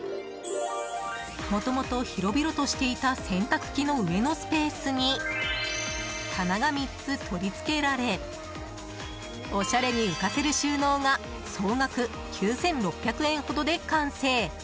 もともと、広々としていた洗濯機の上のスペースに棚が３つ取り付けられおしゃれに浮かせる収納が総額９６００円ほどで完成！